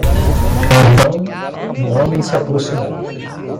Então um homem se aproximou.